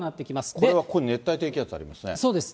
これはここに熱帯低気圧がありますね。